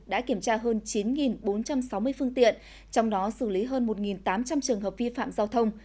đã kiểm tra hơn chín bốn trăm sáu mươi phương tiện trong đó xử lý hơn một tám trăm linh trường hợp vi phạm giao thông